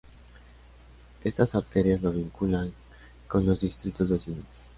Estas arterias lo vinculan, con los distritos vecinos.